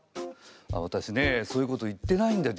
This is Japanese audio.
私ねそういうこと言ってないんだ